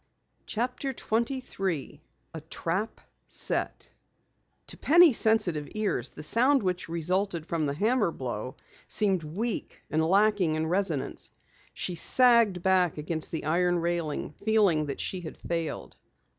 CHAPTER 23 A TRAP SET To Penny's sensitive ears, the sound which resulted from the hammer blow, seemed weak and lacking in resonance. She sagged back against the iron railing, feeling that she had failed.